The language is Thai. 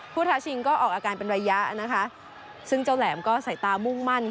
ท้าชิงก็ออกอาการเป็นระยะนะคะซึ่งเจ้าแหลมก็ใส่ตามุ่งมั่น